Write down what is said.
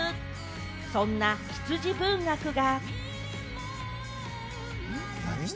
そんな羊文学が。